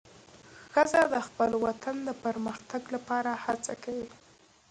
ښځه د خپل وطن د پرمختګ لپاره هڅه کوي.